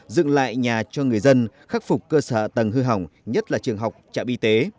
dựng lại nhà cho người dân khắc phục cơ sở tầng hư hỏng nhất là trường học trạm y tế